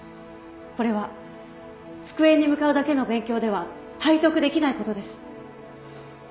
これは机に向かうだけの勉強では体得できないことです。